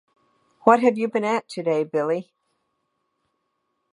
What have you been at today, Billy?